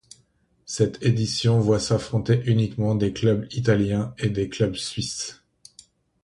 Cette édition voit s'affronter uniquement des clubs italiens et des clubs suisses.